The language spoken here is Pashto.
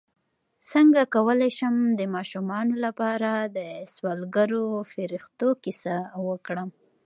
څنګه کولی شم د ماشومانو لپاره د سوالګرو فرښتو کیسه وکړم